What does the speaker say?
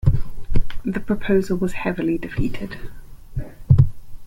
The proposal was heavily defeated.